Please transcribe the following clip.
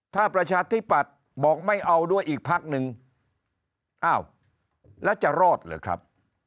ถ้าประชาธิปัตย์บอกไม่เอาด้วยอีกพักหนึ่งอ้าวแล้วจะรอดเหรอครับ